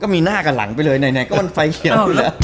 ก็มีหน้ากับหลังไปเลยไหนก็มันไฟเขียว